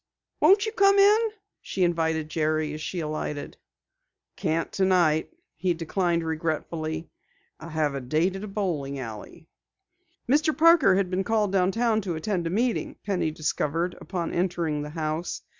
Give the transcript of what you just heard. "Won't you come in?" she invited Jerry as she alighted. "Can't tonight," he declined regretfully. "I have a date at a bowling alley." Mr. Parker had been called downtown to attend a meeting, Penny discovered upon entering the house.